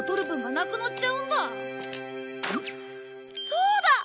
そうだ！